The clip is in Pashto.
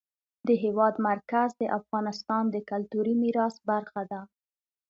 د هېواد مرکز د افغانستان د کلتوري میراث برخه ده.